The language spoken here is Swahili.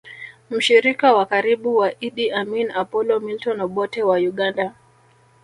Mshirika wa karibu wa Idi Amin Apolo Milton Obote wa Uganda